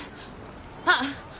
あっ。